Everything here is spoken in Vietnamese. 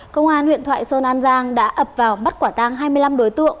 công an huyện thoại sơn an giang đã ập vào bắt quả tang hai mươi năm đối tượng